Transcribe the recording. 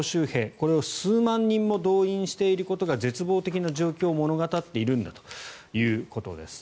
これを数万人も動員していることが絶望的な状況を物語っているんだということです。